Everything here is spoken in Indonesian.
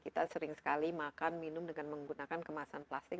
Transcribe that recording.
kita sering sekali makan minum dengan menggunakan kemasan plastik